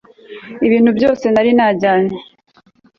ibintu byose nari najyanye